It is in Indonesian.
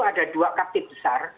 ada dua kaktif besar